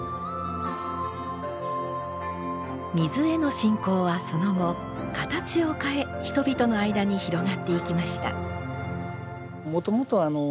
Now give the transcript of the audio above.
水への信仰はその後形を変え人々の間に広がっていきました。